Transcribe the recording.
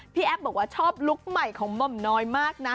แอฟบอกว่าชอบลุคใหม่ของหม่อมน้อยมากนะ